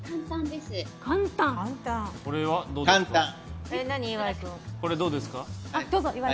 これはどうですか？